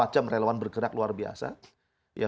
dua puluh empat jam relawan bergerak luar biasa